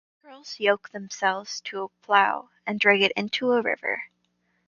Girls yoke themselves to a plough and drag it into a river.